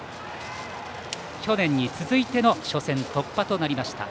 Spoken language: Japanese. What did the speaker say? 去年に続いての初戦突破となりました。